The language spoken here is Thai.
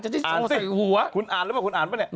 อ่าน๔หัวคุณอ่านหรือเปล่าคุณอ่านป่ะเนี่ย